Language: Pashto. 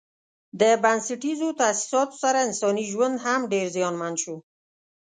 د بنسټیزو تاسیساتو سره انساني ژوند هم ډېر زیانمن شو.